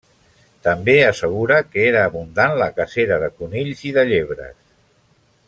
També assegura que era abundant la cacera de conills i de llebres.